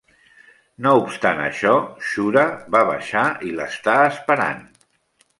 No obstant això, Shura va baixar i l'està esperant.